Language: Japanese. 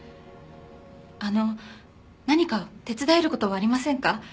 あの何か手伝える事はありませんか？